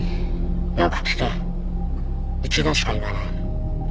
「よく聞け一度しか言わない」